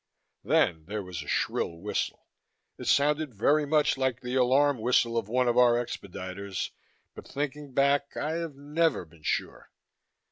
Then there was a shrill whistle. It sounded very much like the alarm whistle of one of our expediters but, thinking back, I have never been sure.